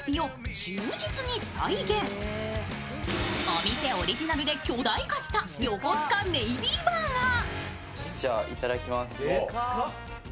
お店オリジナルで巨大化したヨコスカネイビーバーガー。